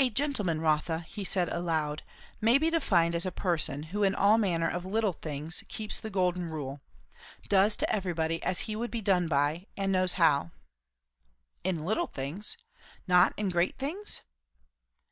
"A gentleman, Rotha," he said aloud, "may be defined as a person who in all manner of little things keeps the golden rule does to everybody as he would be done by; and knows how." "In little things? Not in great things?"